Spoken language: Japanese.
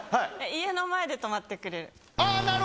家の前で止まってくれる。